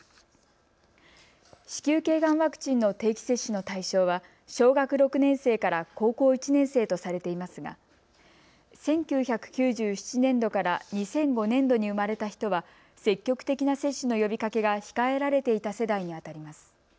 子宮頸がんワクチンの定期接種の対象は小学６年生から高校１年生とされていますが１９９７年度から２００５年度に生まれた人は積極的な接種の呼びかけが控えられていた世代にあたります。